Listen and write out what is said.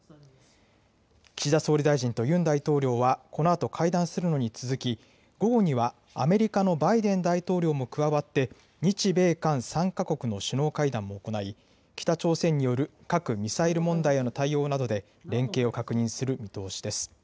岸田総理大臣とユン大統領は、このあと会談するのに続き、午後にはアメリカのバイデン大統領も加わって、日米韓３か国の首脳会談も行い、北朝鮮による核・ミサイル問題への対応などで連携を確認する見通しです。